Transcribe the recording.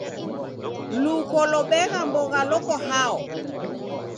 Luko lobegha mbogha loko hao?